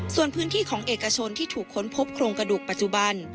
ส่วนพื้นที่ของเอกชนที่ถูกค้นพบโครงกระดูกปัจจุบัน